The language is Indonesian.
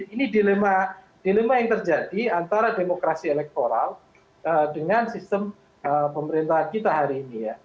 ini dilema yang terjadi antara demokrasi elektoral dengan sistem pemerintahan kita hari ini ya